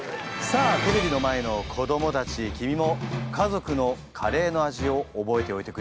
さあテレビの前の子どもたち君も家族のカレーの味を覚えておいてくれよ。